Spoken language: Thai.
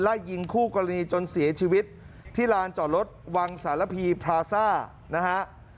ไล่ยิงคู่กรณีจนเสียชีวิตที่ลานจอดรถวังสารพีพราซ่านะฮะ